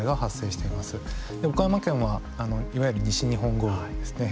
岡山県はいわゆる西日本豪雨ですね。